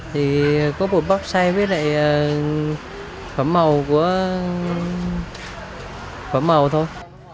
thì có bột bắp xay với lại phẩm màu của phẩm màu thôi